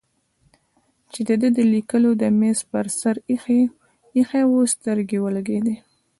چې د ده د لیکلو د مېز پر سر ایښی و سترګې ولګېدې.